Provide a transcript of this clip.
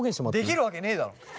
できるわけねえだろ！